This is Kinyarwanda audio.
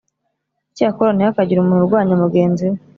Icyakora ntihakagire umuntu urwanya mugenzi we